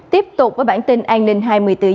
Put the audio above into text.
tiếp tục với bản tin an ninh hai mươi bốn h